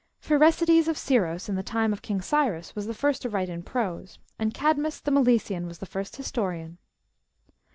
Pherecydes of Scyros, in the time of King Cyrus, was the first to write in prose, and Cadmus, the Milesian, was the first historian.